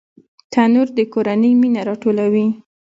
تنور د کورنۍ مینه راټولوي